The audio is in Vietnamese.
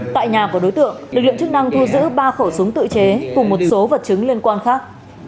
tại nhà của đối tượng lực lượng chức năng thu giữ ba khẩu súng tự chế cùng một số vật chứng liên quan khác